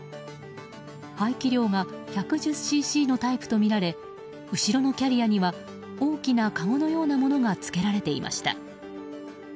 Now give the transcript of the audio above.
排気量が１１０ｃｃのタイプとみられ後ろのキャリアには大きなかごのようなものがつけられていました。